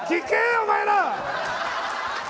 お前ら！